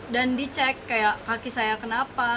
dan dicek kayak kaki saya kenapa